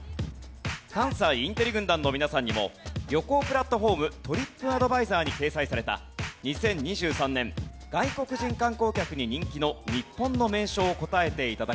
関西インテリ軍団の皆さんにも旅行プラットフォームトリップアドバイザーに掲載された２０２３年外国人観光客に人気の日本の名所を答えて頂きます。